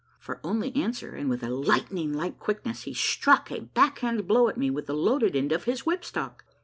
For only answer and with a lightning like quickness he struck a back hand blow at me with the loaded end of his whipstock.